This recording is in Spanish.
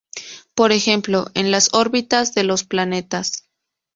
Por ejemplo, en las órbitas de los planetas.